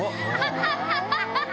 ハハハハハ！